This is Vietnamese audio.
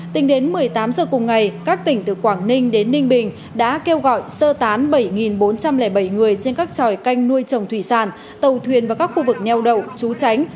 tính đến một mươi tám h cùng ngày các tỉnh từ quảng ninh đến ninh bình đã kêu gọi sơ tán bảy bốn trăm linh bảy người trên các tròi canh nuôi trồng thủy sản tàu thuyền vào các khu vực neo đậu trú tránh